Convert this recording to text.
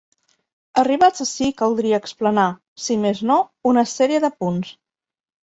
Arribats ací caldria explanar, si més no, una sèrie de punts.